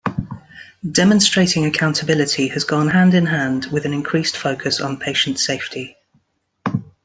Demonstrating accountability has gone hand-in-hand with an increased focus on patient safety.